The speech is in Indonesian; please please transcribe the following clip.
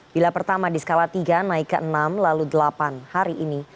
bila pertama di skala tiga naik ke enam lalu delapan hari ini